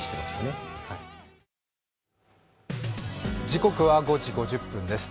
時刻は５時５０分です。